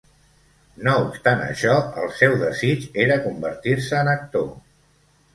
No obstant això, el seu desig era convertir-se en actor.